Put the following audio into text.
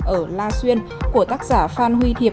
ở la xuyên của tác giả phan huy thiệp